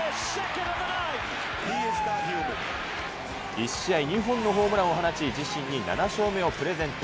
１試合２本のホームランを放ち、自身に７勝目をプレゼント。